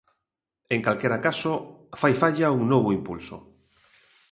En calquera caso, fai falla un novo impulso.